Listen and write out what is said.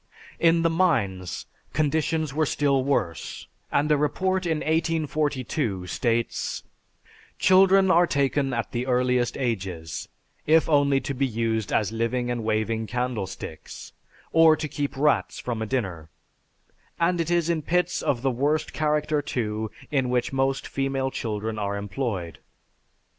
In the mines conditions were still worse, and a report in 1842 states: "Children are taken at the earliest ages, if only to be used as living and waving candlesticks, or to keep rats from a dinner, and it is in pits of the worst character, too, in which most female children are employed.